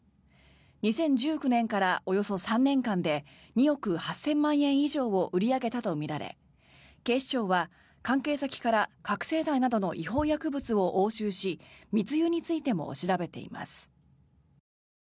２０１９年からおよそ３年間で２億８０００万円以上を売り上げたとみられ警視庁は、関係先から覚醒剤などの違法薬物を押収し密輸についても調べています。